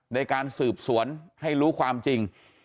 ในการสืบสวนให้รู้ความจริง